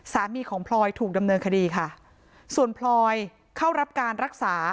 สามีของพลอยถูกดำเนินคดีค่ะส่วนพลอยเข้ารับการรักษา